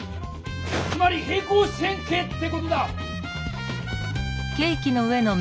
つまり平行四辺形って事だ！